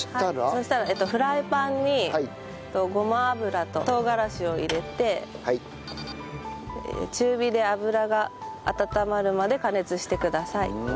そしたらフライパンにごま油と唐辛子を入れて中火で油が温まるまで加熱してください。